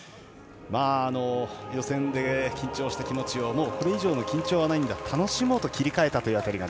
予選で緊張した気持ちをこれ以上の緊張はない楽しもうと切り替えたという辺りが。